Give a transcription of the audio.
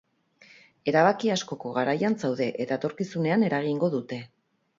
Erabaki askoko garaian zaude, eta etorkizunean eragingo dute.